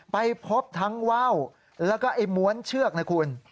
ไปพบทั้งว่าวแล้วก็ไอ้ม้วนเชือกนะคุณ